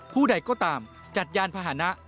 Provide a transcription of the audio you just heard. ผู้ใดก็ตามจัดยานพาหนะ